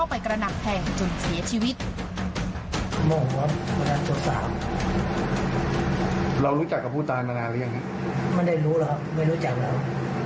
ไม่ได้รู้หรอครับไม่รู้จักแล้ว